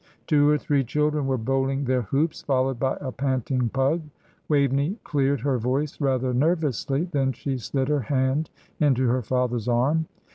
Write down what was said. Two or three children were bowling their hoops, followed by a panting pug. Waveney cleared her voice rather nervously; then she slid her hand into her father's arm.